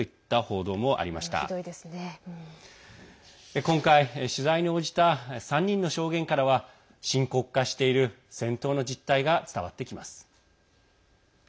今回、取材に応じた３人の証言からは深刻化している戦闘の実態が伝わってきます。